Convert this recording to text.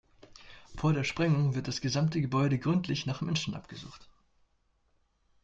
Vor der Sprengung wird das gesamte Gebäude gründlich nach Menschen abgesucht.